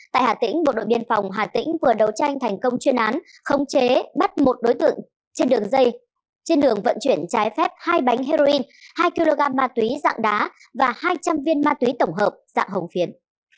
tại hà tĩnh bộ đội biên phòng hà tĩnh vừa đấu tranh thành công chuyên án khống chế bắt một đối tượng trên đường dây trên đường vận chuyển trái phép hai bánh heroin hai kg ma túy dạng đá và hai trăm linh viên ma túy tổng hợp dạng hồng phiến